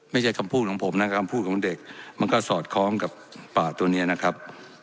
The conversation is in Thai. ไม่ใช่คำพูดของผมนะครับคำพูดของเด็กมันก็สอดคล้องกับป่าตัวนี้นะครับ